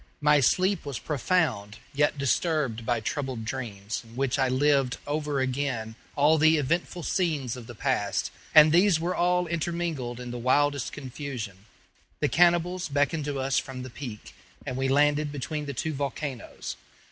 My sleep was profound, yet disturbed by troubled dreams, in which I lived over again all the eventful scenes of the past; and these were all intermingled in the wildest confusion. The cannibals beckoned to us from the peak, and we landed between the two volcanoes.